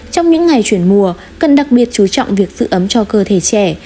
trong những ngày chuyển mùa cần đặc biệt chú trọng việc giữ ấm cho cơ thể trẻ